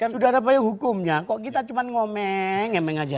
sudah ada payung hukumnya kok kita cuma ngomeng ngomeng aja